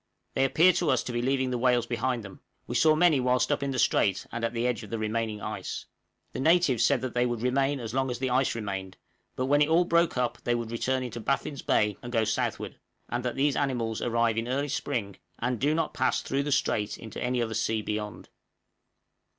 They appear to us to be leaving the whales behind them; we saw many whilst up the strait, and at the edge of the remaining ice. The natives said they would remain as long as the ice remained, but when it all broke up they would return into Baffin's Bay and go southward; and that these animals arrive in early spring, and do not pass through the strait into any other sea beyond. {GALE IN LANCASTER SOUND.